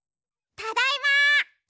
ただいま！